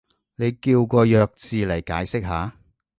你叫個弱智嚟解釋下